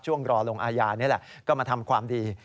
รอลงอาญานี่แหละก็มาทำความดี